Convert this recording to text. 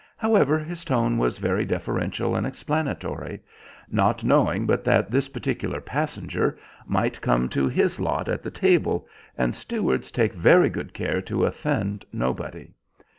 However, his tone was very deferential and explanatory, not knowing but that this particular passenger might come to his lot at the table, and stewards take very good care to offend nobody.